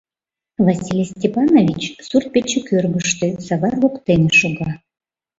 Василий Степанович сурт-пече кӧргыштӧ, савар воктене, шога.